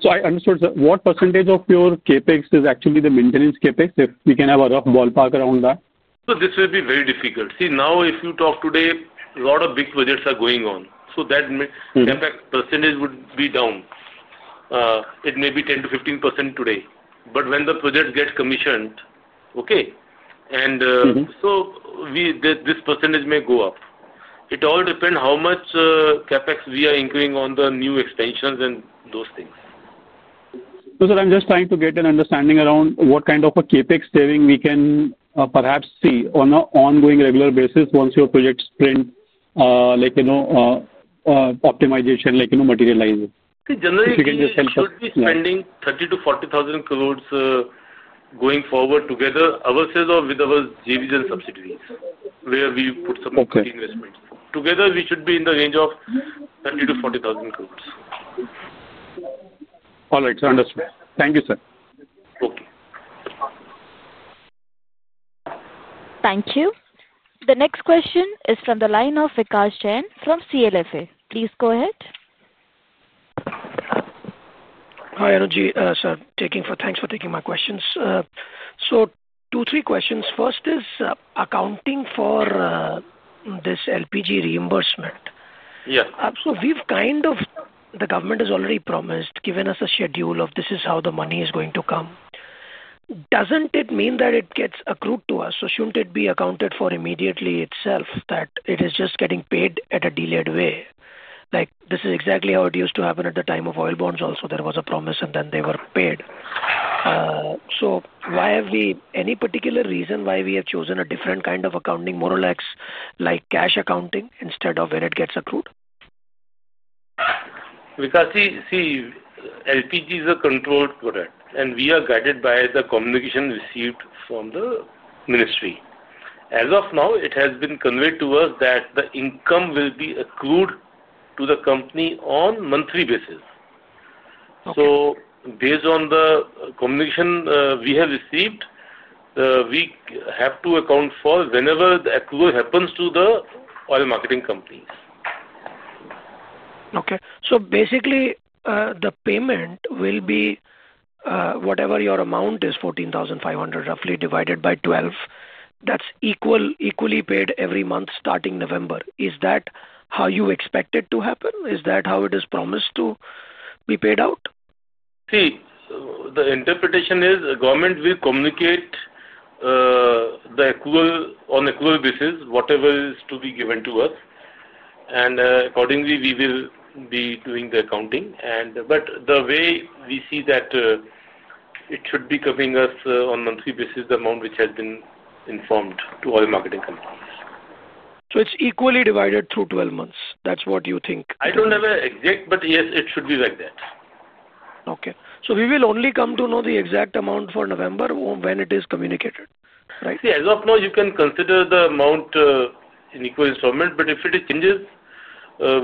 Speaker 3: I understood, sir. What percentage of your CapEx is actually the maintenance CapEx, if we can have a rough ballpark around that? This will be very difficult. See, now if you talk today, a lot of big projects are going on. That means CapEx percentage would be down. It may be 10% to 15% today. When the project gets commissioned, this percentage may go up. It all depends how much CapEx we are incurring on the new expansions and those things. I'm just trying to get an understanding around what kind of a CapEx saving we can, perhaps, see on an ongoing regular basis once your Project Sprint, like, you know, optimization, like, you know, materializes. See, generally, we should be spending 30,000 to 40,000 crore going forward together, ourselves or with our JVs and subsidiaries where we put some of the investments. Together, we should be in the range of 30,000 to 40,000 crore. All right, sir. Understood. Thank you, sir. Okay.
Speaker 1: Thank you. The next question is from the line of Vikas Jain from CLSA. Please go ahead.
Speaker 5: Hi, Anuj. Sir, thanks for taking my questions. Two, three questions. First is accounting for this LPG reimbursement.
Speaker 3: Yes.
Speaker 5: The government has already promised, given us a schedule of this is how the money is going to come. Doesn't it mean that it gets accrued to us? Shouldn't it be accounted for immediately itself that it is just getting paid in a delayed way? This is exactly how it used to happen at the time of oil bonds also. There was a promise, and then they were paid. Is there any particular reason why we have chosen a different kind of accounting, more or less, like cash accounting instead of when it gets accrued?
Speaker 3: Vikasi, see, LPG is a controlled product, and we are guided by the communication received from the ministry. As of now, it has been conveyed to us that the income will be accrued to the company on a monthly basis. Based on the communication we have received, we have to account for whenever the accrual happens to the oil marketing companies.
Speaker 5: Okay. Basically, the payment will be whatever your amount is, 14,500 roughly divided by 12. That's equally paid every month starting November. Is that how you expect it to happen? Is that how it is promised to be paid out?
Speaker 3: See, the interpretation is the government will communicate, on accrual basis, whatever is to be given to us. Accordingly, we will be doing the accounting. The way we see that, it should be coming to us on a monthly basis, the amount which has been informed to oil marketing companies.
Speaker 5: It's equally divided through 12 months. That's what you think.
Speaker 3: I don't have an exact, but yes, it should be like that.
Speaker 5: Okay. We will only come to know the exact amount for November when it is communicated, right?
Speaker 3: See, as of now, you can consider the amount in equal installment. If it changes,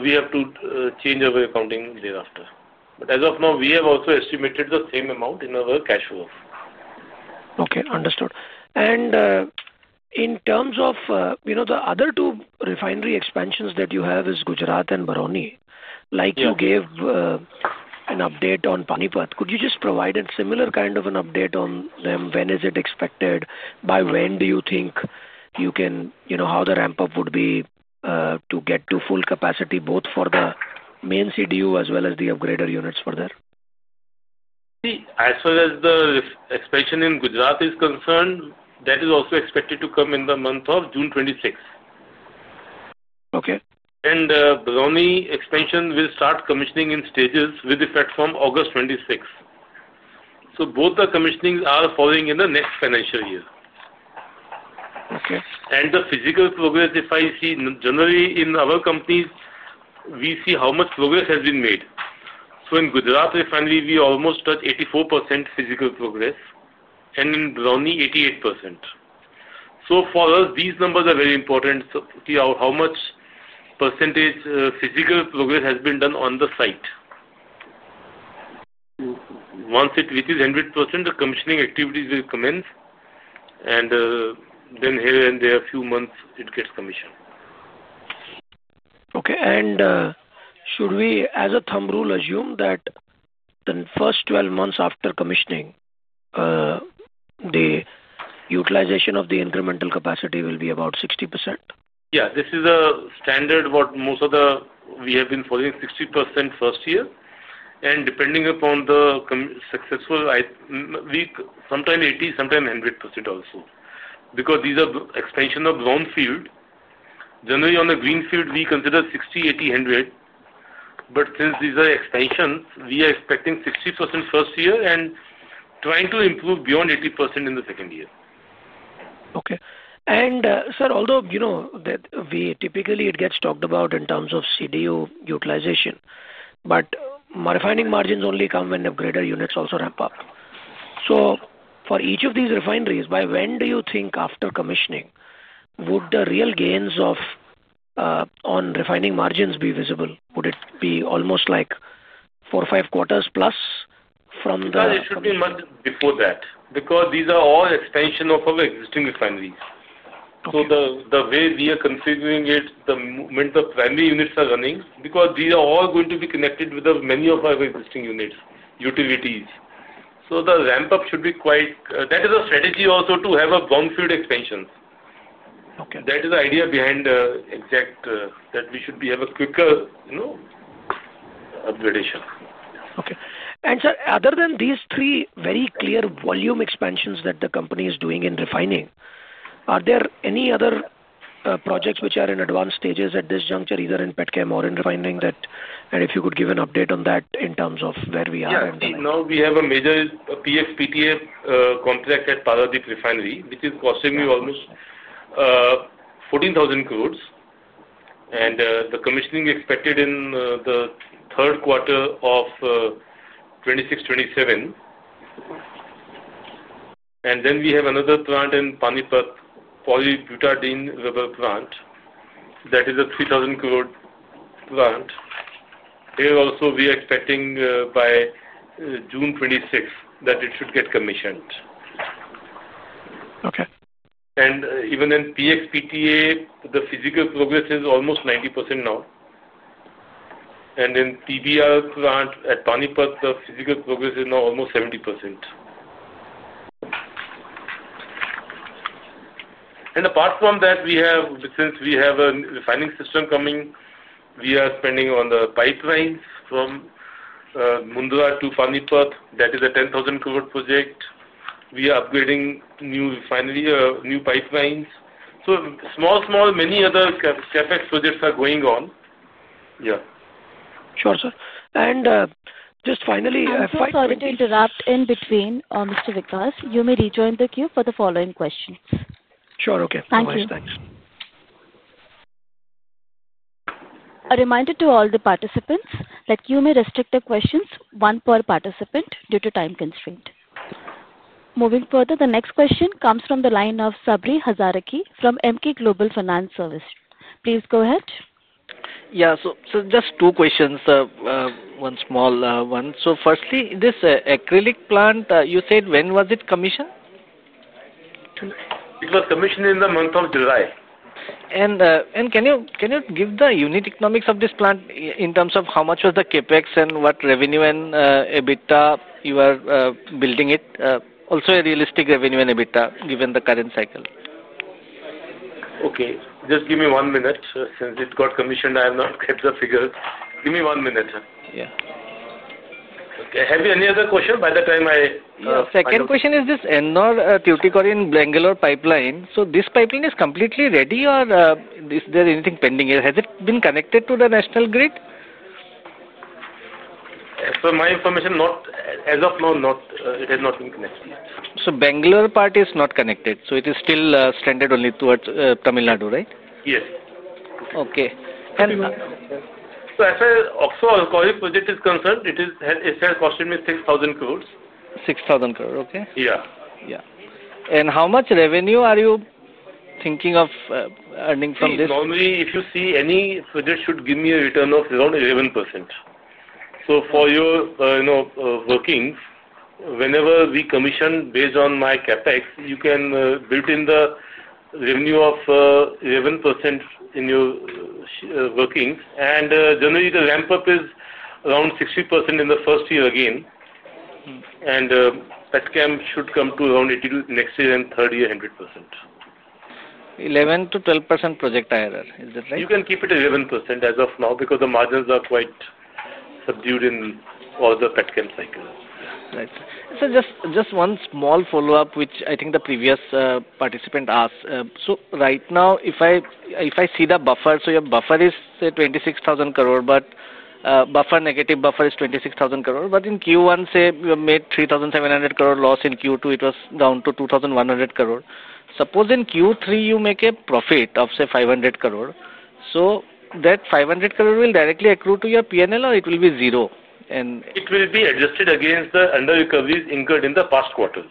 Speaker 3: we have to change our accounting thereafter. As of now, we have also estimated the same amount in our cash flow.
Speaker 5: Okay. Understood. In terms of the other two refinery expansions that you have in Gujarat and Barauni, you gave an update on Panipat. Could you just provide a similar kind of an update on them? When is it expected? By when do you think you can, you know, how the ramp-up would be to get to full capacity both for the main CDU as well as the upgrader units for there?
Speaker 3: See, as far as the expansion in Gujarat is concerned, that is also expected to come in the month of June 2026.
Speaker 5: Okay.
Speaker 3: Baroni expansion will start commissioning in stages with effect from August 2026. Both the commissionings are falling in the next financial year.
Speaker 5: Okay.
Speaker 3: The physical progress, if I see, generally, in our companies, we see how much progress has been made. In Gujarat refinery, we almost touch 84% physical progress, and in Baroni, 88%. For us, these numbers are very important to see how much % physical progress has been done on the site. Once it reaches 100%, the commissioning activities will commence. Here and there, a few months, it gets commissioned.
Speaker 5: Should we, as a thumb rule, assume that the first 12 months after commissioning, the utilization of the incremental capacity will be about 60%?
Speaker 3: Yeah. This is a standard what most of the we have been following: 60% first year. Depending upon the successful, I think sometimes 80%, sometimes 100% also. Because these are expansions of brown field. Generally, on a green field, we consider 60%, 80%, 100%. Since these are expansions, we are expecting 60% first year and trying to improve beyond 80% in the second year.
Speaker 5: Okay. Sir, although you know that we typically, it gets talked about in terms of CDU utilization, refining margins only come when upgrader units also ramp up. For each of these refineries, by when do you think after commissioning would the real gains on refining margins be visible? Would it be almost like four or five quarters plus from the?
Speaker 3: It should be a month before that because these are all expansions of our existing refineries. The way we are configuring it, the moment the primary units are running, because these are all going to be connected with many of our existing units and utilities, the ramp-up should be quite, that is a strategy also to have a brownfield expansion.
Speaker 5: Okay.
Speaker 3: That is the idea behind the exact, that we should have a quicker, you know, upgradation.
Speaker 5: Okay. Sir, other than these three very clear volume expansions that the company is doing in refining, are there any other projects which are in advanced stages at this juncture, either in petrochemicals or in refining, and if you could give an update on that in terms of where we are?
Speaker 3: Yeah. See, now we have a major PX PTA contract at Paradip Refinery, which is costing me almost 14,000 crore, and the commissioning is expected in the third quarter of 2026-2027. We have another plant in Panipat, Polybutadiene rubber plant. That is a 3,000 crore plant. Here also, we are expecting by June 2026 that it should get commissioned.
Speaker 5: Okay.
Speaker 3: Even in PXPTA, the physical progress is almost 90% now. In the PBR plant at Panipat, the physical progress is now almost 70%. Apart from that, since we have a refining system coming, we are spending on the pipelines from Mundra to Panipat. That is an 10,000 crore project. We are upgrading new refinery, new pipelines. Many other CapEx projects are going on.
Speaker 5: Sure, sir. Finally, if I could.
Speaker 1: Sorry to interrupt. In between, Mr. Vikas, you may rejoin the queue for the following questions.
Speaker 5: Sure. Okay.
Speaker 1: Thank you.
Speaker 5: Thanks. Thanks.
Speaker 1: A reminder to all the participants that you may restrict the questions to one per participant due to time constraint. Moving further, the next question comes from the line of Sabri Hazaraki from MK Global Finance Service. Please go ahead. Yeah, just two questions, one small one. Firstly, this acrylic plant, you said when was it commissioned?
Speaker 3: It was commissioned in the month of July. Can you give the unit economics of this plant in terms of how much was the CapEx and what revenue and EBITDA you are building it? Also, a realistic revenue and EBITDA given the current cycle. Okay, just give me one minute. Since it got commissioned, I have not kept the figures. Give me one minute, sir. Yeah. Okay. Have you any other question by the time I? The second question is this Ennore, Tuticorin, Bangalore pipeline. Is this pipeline completely ready or is there anything pending here? Has it been connected to the national grid? As per my information, not as of now, it has not been connected. Bangalore part is not connected. It is still stranded only towards Tamil Nadu, right? Yes. Okay. And. As far as the Oxo Alcoy project is concerned, it has costed me 6,000 crore. 6,000 crore. Okay. Yeah. How much revenue are you thinking of earning from this? Normally, if you see any project, it should give me a return of around 11%. For your, you know, workings, whenever we commission based on my CapEx, you can build in the revenue of 11% in your workings. Generally, the ramp-up is around 60% in the first year. PetCam should come to around 80% next year and third year, 100%. 11 to 12% project IRR. Is that right? You can keep it at 11% as of now because the margins are quite subdued in all the petrochemical cycle. Right. Sir, just one small follow-up, which I think the previous participant asked. Right now, if I see the buffer, your buffer is, say, 26,000 crore, but negative buffer is 26,000 crore. In Q1, you have made 3,700 crore loss. In Q2, it was down to 2,100 crore. Suppose in Q3 you make a profit of, say, 500 crore. That 500 crore will directly accrue to your P&L or it will be zero? It will be adjusted against the under-recoveries incurred in the past quarter.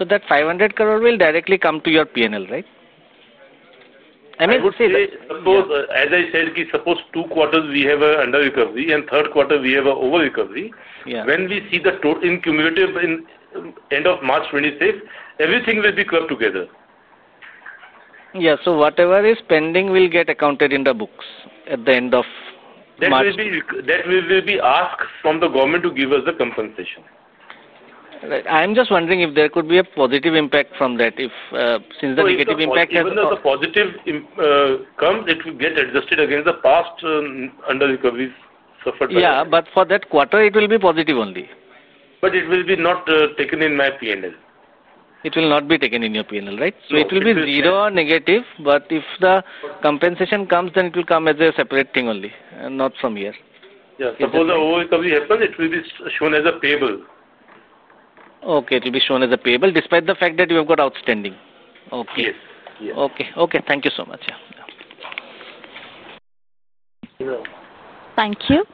Speaker 3: That 500 crore will directly come to your P&L, right? I would say, suppose, as I said, suppose two quarters we have an under-recovery and third quarter we have an over-recovery. When we see the total in cumulative end of March 2026, everything will be clumped together. Yeah, whatever is pending will get accounted in the books at the end of March. That will be asked from the government to give us the compensation. Right. I'm just wondering if there could be a positive impact from that, since the negative impact has been. As soon as the positive comes, it will get adjusted against the past under-recoveries suffered by. Yeah, for that quarter, it will be positive only. It will not be taken in my P&L. It will not be taken in your P&L, right? Yes. It will be zero or negative. If the compensation comes, then it will come as a separate thing only, not from here. Yeah, suppose the over-recovery happens, it will be shown as a payable. Okay. It will be shown as a payable despite the fact that you have got outstanding. Okay. Yes. Yes. Okay. Thank you so much. Yeah.
Speaker 1: Thank you.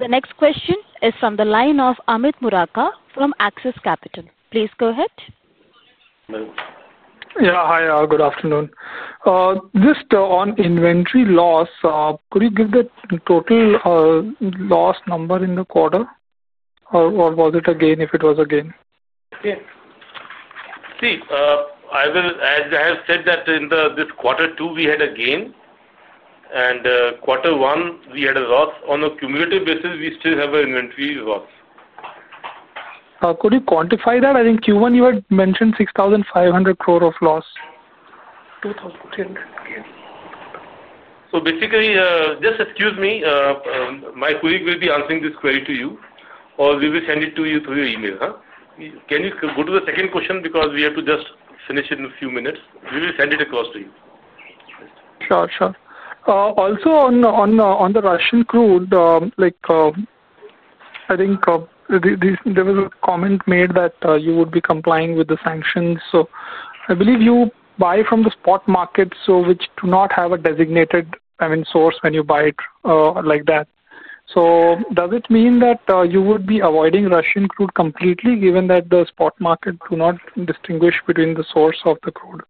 Speaker 1: The next question is from the line of Amit Murarka from Axis Capital. Please go ahead.
Speaker 3: Yeah. Hi, all. Good afternoon. Just on inventory loss, could you give the total loss number in the quarter? Or was it a gain if it was a gain? See, as I have said, in this quarter two, we had a gain. In quarter one, we had a loss. On a cumulative basis, we still have an inventory loss. Could you quantify that? I think Q1, you had mentioned 6,500 crore of loss. 2,300. Basically, excuse me. My colleague will be answering this query to you or we will send it to you through your email. Can you go to the second question because we have to just finish in a few minutes? We will send it across to you. Sure. Also, on the Russian crude, I think there was a comment made that you would be complying with the sanctions. I believe you buy from the spot market, which does not have a designated source when you buy it like that. Does it mean that you would be avoiding Russian crude completely, given that the spot market does not distinguish between the source of the crude?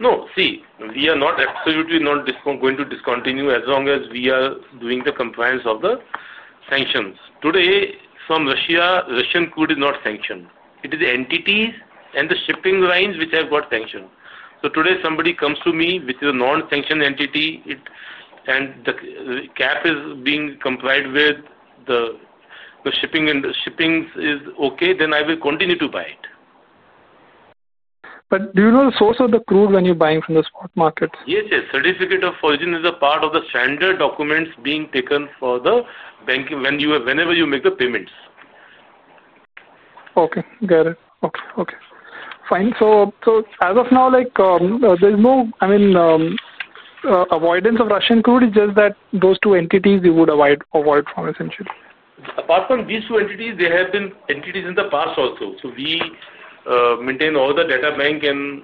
Speaker 3: No. We are absolutely not going to discontinue as long as we are doing the compliance of the sanctions. Today, from Russia, Russian crude is not sanctioned. It is the entities and the shipping lines which have got sanctioned. Today, if somebody comes to me with a non-sanctioned entity, and the cap is being complied with and shipping is okay, then I will continue to buy it. Do you know the source of the crude when you're buying from the spot markets? Yes, yes. Certificate of origin is a part of the standard documents being taken for the banking when you, whenever you make the payments. Okay. Got it. Fine. As of now, there's no, I mean, avoidance of Russian crude. It's just that those two entities you would avoid from, essentially. Apart from these two entities, there have been entities in the past also. We maintain all the data bank, and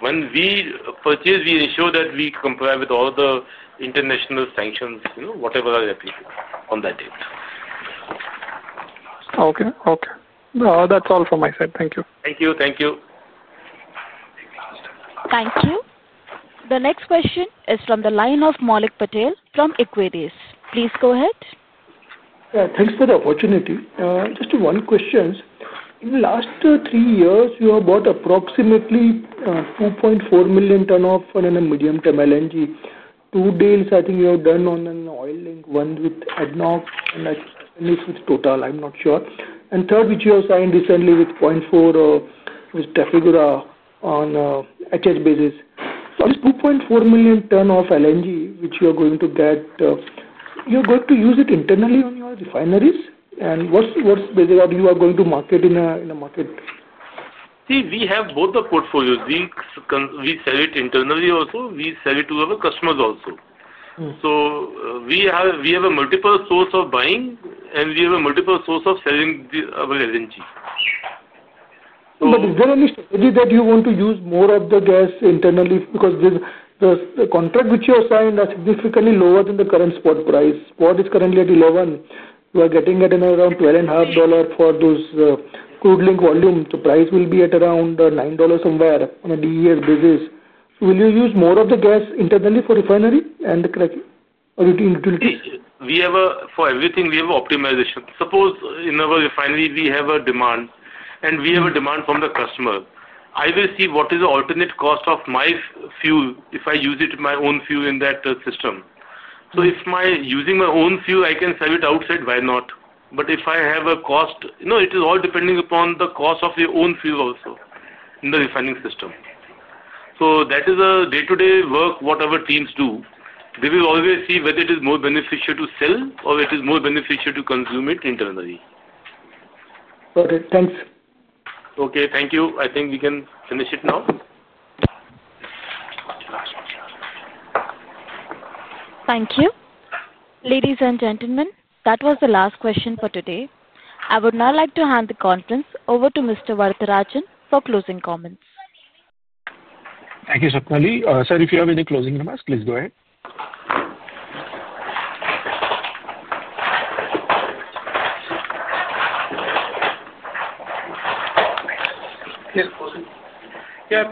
Speaker 3: when we purchase, we ensure that we comply with all the international sanctions, whatever are replicated on that date. Okay. Okay. That's all from my side. Thank you. Thank you. Thank you.
Speaker 1: Thank you. The next question is from the line of Malik Patel from Equities. Please go ahead. Yeah. Thanks for the opportunity. Just one question. In the last three years, you have bought approximately 2.4 million tons of, and in a medium-term LNG. Two deals, I think you have done on an oil link, one with ADNOC and I think it's with Total. I'm not sure. Third, which you have signed recently with 0.4, with Trafigura on a HS basis. This 2.4 million tons of LNG, which you are going to get, you're going to use it internally on your refineries. What's basically you are going to market in a market?
Speaker 3: See, we have both the portfolios. We sell it internally also. We sell it to our customers also. We have a multiple source of buying, and we have a multiple source of selling our LNG. Is there any strategy that you want to use more of the gas internally? Because there's the contract which you have signed is significantly lower than the current spot price. Spot is currently at $11. You are getting at around $12.5 for those crude-linked volumes. The price will be at around $9 somewhere on a DEA basis. Will you use more of the gas internally for refinery and the cracking of utilities? See, for everything, we have optimization. Suppose in our refinery, we have a demand, and we have a demand from the customer. I will see what is the alternate cost of my fuel if I use it in my own fuel in that system. If I'm using my own fuel, I can sell it outside. Why not? If I have a cost, you know, it is all depending upon the cost of your own fuel also in the refining system. That is a day-to-day work, what our teams do. They will always see whether it is more beneficial to sell or it is more beneficial to consume it internally. Okay. Thanks. Okay, thank you. I think we can finish it now.
Speaker 1: Thank you. Ladies and gentlemen, that was the last question for today. I would now like to hand the conference over to Mr. Varatharajan Sivasankaran for closing comments. Thank you, Sukmani. Sir, if you have any closing remarks, please go ahead.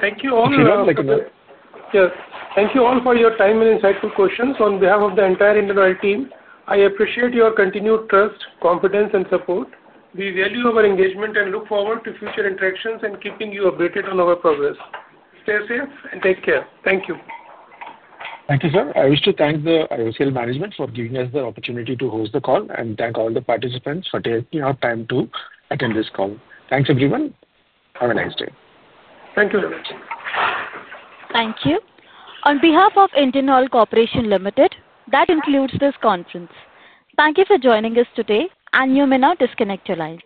Speaker 4: Thank you all.
Speaker 3: Sure.
Speaker 4: Thank you all for your time and insightful questions. On behalf of the entire Indian Oil team, I appreciate your continued trust, confidence, and support. We value our engagement and look forward to future interactions and keeping you updated on our progress. Stay safe and take care. Thank you. Thank you, sir. I wish to thank the IOCL management for giving us the opportunity to host the call, and thank all the participants for taking out time to attend this call. Thanks, everyone. Have a nice day. Thank you very much.
Speaker 1: Thank you. On behalf of Indian Oil Corporation Limited, that concludes this conference. Thank you for joining us today, and you may now disconnect your lines.